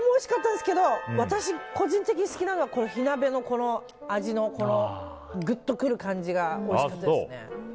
個人的に好きなのは、火鍋のグッとくる感じがおいしかったですね。